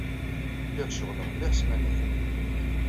Lliɣ ceɣleɣ mliḥ ssmana-ya.